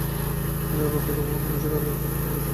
মুনির অবাক হয়ে লক্ষ করল, নিসার আলির চোখ দিয়ে পানি পড়ছে।